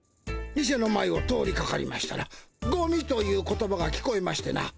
店の前を通りかかりましたら「ゴミ」という言葉が聞こえましてな。